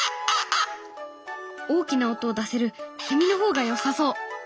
大きな音を出せるセミの方がよさそう。